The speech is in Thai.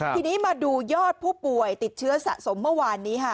ทีนี้มาดูยอดผู้ป่วยติดเชื้อสะสมเมื่อวานนี้ค่ะ